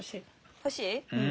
欲しい？